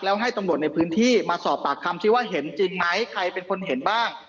แล้วให้ตำรวจในพื้นที่มาสอบปากคำซิว่าเห็นจริงไหมใครเป็นคนเห็นบ้าง